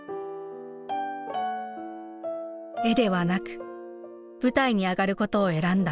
絵ではなく舞台に上がることを選んだ奈良岡さん。